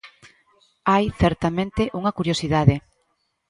Hai, certamente, unha curiosidade.